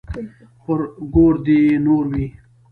پر ګور دې يې نور وي.